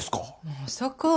まさか。